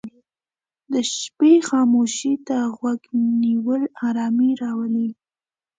د شپې خاموشي ته غوږ نیول آرامي راولي.